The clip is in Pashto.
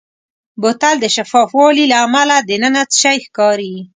بوتل د شفاف والي له امله دننه څه شی ښکاري.